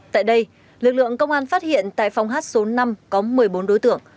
tại đây lực lượng công an phát hiện tại phòng hát số năm có một mươi bốn đối tượng